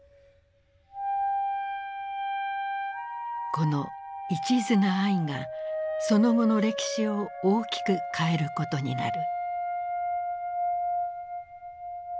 このいちずな愛がその後の歴史を大きく変えることになる。